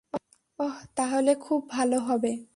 অহ, তাহলে খুব ভালো হবে।